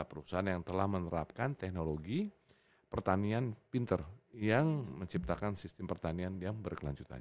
perusahaan yang telah menerapkan teknologi pertanian pinter yang menciptakan sistem pertanian yang berkelanjutan